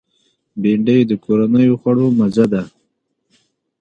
بېنډۍ د کورنیو خوړو مزه ده